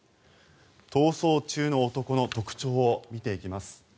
逃走中の男の特徴を見ていきます。